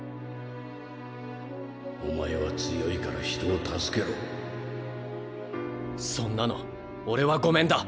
お前は強いから人を助けろそんなの俺は御免だ。